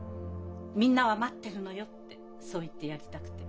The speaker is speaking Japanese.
みんなは待ってるのよ」ってそう言ってやりたくて。